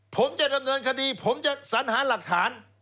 ผมจะดำเนินคดีผมจะสัญหาหลักฐาน